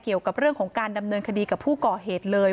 เกี่ยวกับเรื่องของการดำเนินคดีกับผู้ก่อเหตุเลย